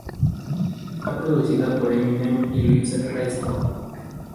Está producida por Eminem y Luis Resto.